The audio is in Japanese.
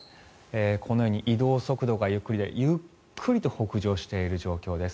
このように移動速度がゆっくりでゆっくりと北上している状況です。